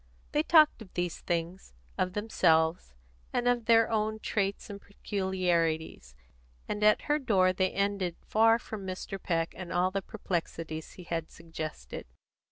They talked of these things, of themselves, and of their own traits and peculiarities; and at her door they ended far from Mr. Peck and all the perplexities he had suggested.